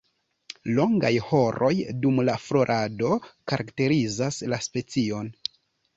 Longaj haroj dum la florado karakterizas la specion.